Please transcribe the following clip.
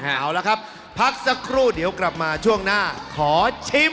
เอาละครับพักสักครู่เดี๋ยวกลับมาช่วงหน้าขอชิม